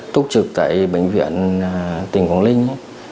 túc trực tại bệnh viện tỉnh quảng ninh